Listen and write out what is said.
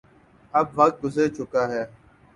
اب وقت گزر چکا ہے۔